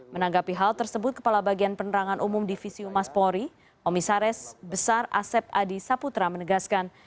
menanggapi hal tersebut kepala bagian penerangan umum divisi umas polri komisaris besar asep adi saputra menegaskan